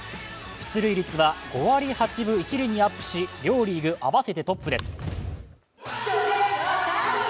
出塁率は５割８分１厘にアップし両リーグ合わせてトップです。